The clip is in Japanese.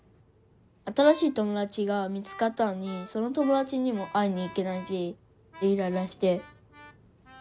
新しい友達が見つかったのにその友達にも会いに行けないしでイライラして。